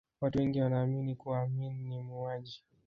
watu wengi wanaamini kuwa amin ni muuaji